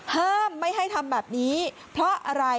ห้ามไม่ให้ทำแบบนี้เพราะอะไร